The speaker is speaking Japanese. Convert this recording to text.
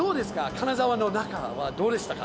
金沢の中はどうでしたか？